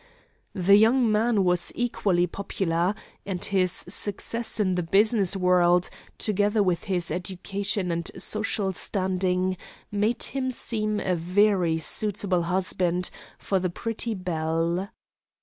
The young man was equally popular, and his success in the business world, together with his education and social standing, made him seem a very suitable husband for the pretty belle.